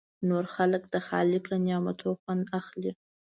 نور خلک د خالق له نعمتونو خوند اخلي.